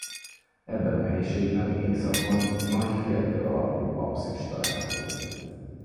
Ebben a helyiségben északon nagy félkör alakú apszis található.